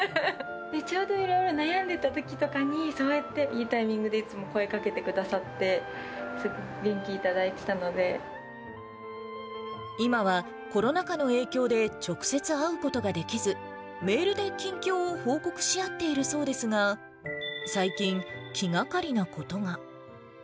ちょうどいろいろ悩んでいたときとかに、そうやっていいタイミングでいつも声かけてくださって、今は、コロナ禍の影響で、直接会うことができず、メールで近況を報告し合っているそうですが、最近、気がかりなことが。